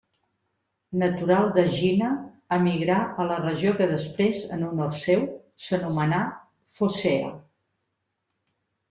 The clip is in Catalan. Natural d'Egina, emigrà a la regió que després, en honor seu, s'anomenà Focea.